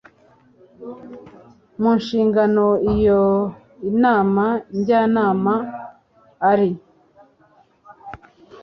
mu nshingano iyo inama njyanama ari